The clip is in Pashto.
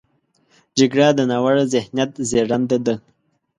جګړه د ناوړه ذهنیت زیږنده ده